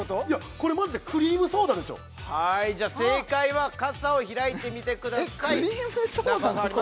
これマジでクリームソーダでしょはいじゃ正解は傘を開いてみてくださいえっ